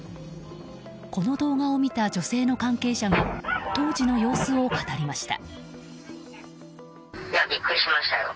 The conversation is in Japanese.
この動画を見た女性の関係者が当時の様子を語りました。